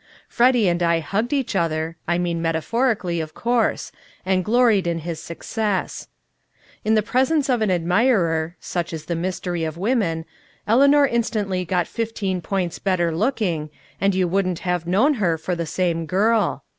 Freddy and I hugged each other (I mean metaphorically, of course) and gloried in his success. In the presence of an admirer (such is the mystery of women) Eleanor instantly got fifteen points better looking, and you wouldn't have known her for the same girl.